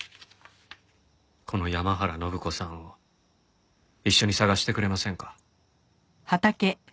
この山原展子さんを一緒に捜してくれませんか？